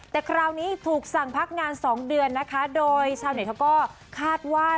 แต่คราวนี้ถูกสั่งพักงานสองเดือนนะคะโดยชาวเน็ตเขาก็คาดว่า